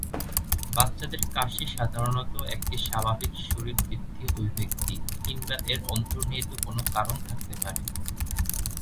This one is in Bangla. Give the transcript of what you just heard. বাচ্চাদের কাশি সাধারণত একটি স্বাভাবিক শারীরবৃত্তীয় অভিব্যক্তি কিংবা এর অন্তর্নিহিত কোনো কারণ থাকতে পারে।